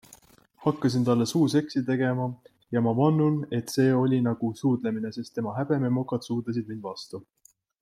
Hakkasin talle suuseksi tegema ja ma vannun, et see oli nagu suudlemine, sest ta häbememokad suudlesid mind vastu.